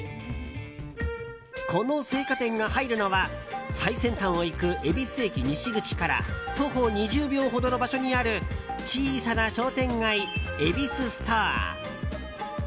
この青果店が入るのは最先端をいく恵比寿駅西口から徒歩２０秒ほどの場所にある小さな商店街、えびすストア。